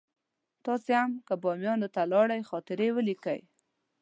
تاسې هم که بامیان ته لاړئ خاطرې ولیکئ.